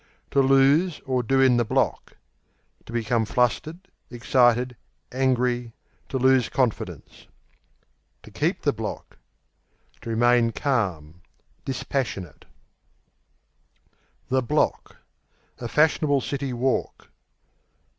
To lose or do in the block To become flustered; excited; angry; to lose confidence. To keep the block To remain calm; dispassionate. Block, the A fashionable city walk.